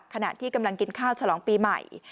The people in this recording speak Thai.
ขณะที่กำลังกินข้าวฉลองปีใหม่